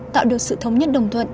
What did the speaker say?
tạo được sự thống nhất đồng thuận